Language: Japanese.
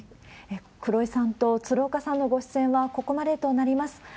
黒井さんと鶴岡さんのご出演はここまでとなります。